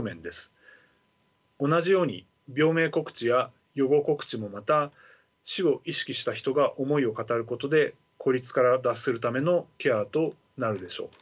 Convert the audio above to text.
同じように病名告知や予後告知もまた死を意識した人が思いを語ることで孤立から脱するためのケアとなるでしょう。